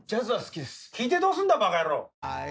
きいてどうすんだバカヤロウ！